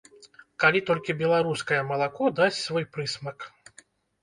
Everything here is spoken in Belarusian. Калі толькі беларускае малако дасць свой прысмак.